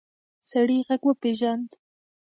سړی غږ وپېژاند.